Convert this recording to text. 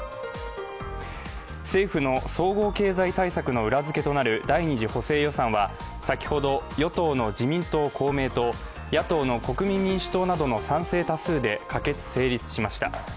政府の総合経済対策の裏づけとなる第２次補正予算は先ほど、与党の自民党・公明党、野党の国民民主党などの賛成多数で可決・成立しました。